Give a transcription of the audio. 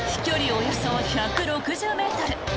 およそ１６０ｍ。